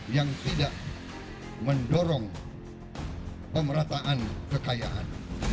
yang tidak mendorong pemerataan kekayaan